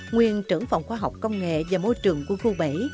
nguyên trưởng phòng khoa học công nghệ và môi trường quân khu bảy